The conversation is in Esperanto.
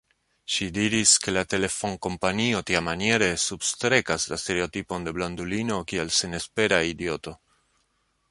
Ŝi diris, ke la telefonkompanio tiamaniere substrekas la stereotipon de blondulino kiel senespera idioto.